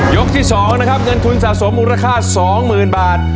ยกที่สองนะครับเงินทุนสะสมมูลค่าสองหมื่นบาท